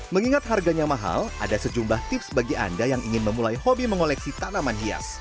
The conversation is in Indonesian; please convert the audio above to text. mengingat harganya mahal ada sejumlah tips bagi anda yang ingin memulai hobi mengoleksi tanaman hias